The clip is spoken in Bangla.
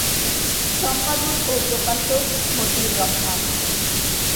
সম্পাদক ও প্রকাশক: মতিউর রহমান